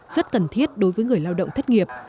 rất cần thiết đối với người lao động thất nghiệp